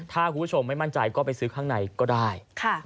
ถ้าคุณผู้ชมไม่มั่นใจก็ไปซื้อข้างในก็ได้